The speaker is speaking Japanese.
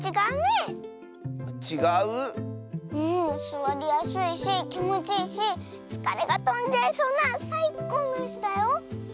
すわりやすいしきもちいいしつかれがとんじゃいそうなさいこうのいすだよ。